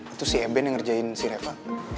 itu si eben yang ngerjain si reva